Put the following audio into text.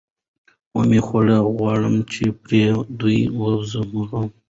ـ ومه خورئ غوړي ،چې پرې ودې وځي مړغړي.